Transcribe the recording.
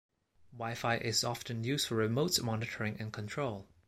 Wi-Fi is often used for remote monitoring and control.